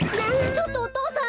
ちょっとお父さん。